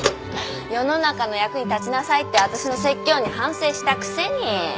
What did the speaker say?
世の中の役に立ちなさいって私の説教に反省したくせに。